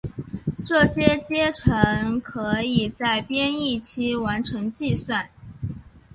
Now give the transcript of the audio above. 这些阶乘可以在编译期完成计算。